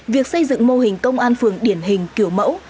việc xây dựng mô hình công an phường điển hình kiểu mẫu